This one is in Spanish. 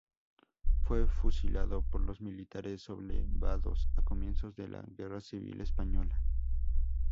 Fue fusilado por los militares sublevados a comienzos de la Guerra Civil Española.